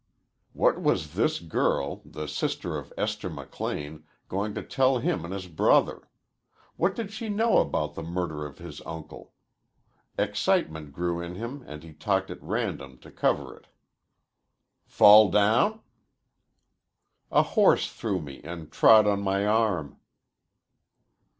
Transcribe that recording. What was this girl, the sister of Esther McLean, going to tell him and his brother? What did she know about the murder of his uncle? Excitement grew in him and he talked at random to cover it. "Fall down?" "A horse threw me and trod on my arm."